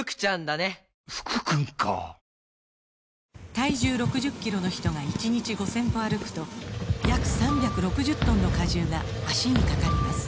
体重６０キロの人が１日５０００歩歩くと約３６０トンの荷重が脚にかかります